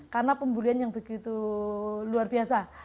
karena pembulian yang begitu luar biasa